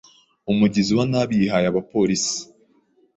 Umugizi wa nabi yihaye abapolisi.